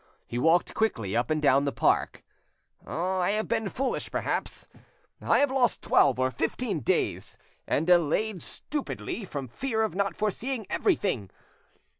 He walked quickly up and down the park— "I have been foolish, perhaps; I have lost twelve or fifteen days, and delayed stupidly from fear of not foreseeing everything.